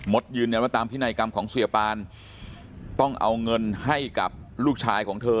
ยืนยันว่าตามพินัยกรรมของเสียปานต้องเอาเงินให้กับลูกชายของเธอ